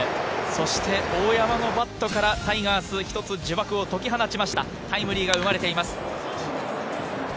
そして大山のバットからタイガース、一つ呪縛を解き放ちました、タイムリーが生まれています。